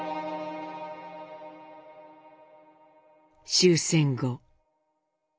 終戦後。